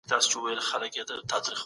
دوی نه غواړي چې پیسې بل هیواد ته یوسي.